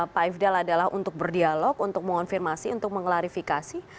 pak ifdal adalah untuk berdialog untuk mengonfirmasi untuk mengklarifikasi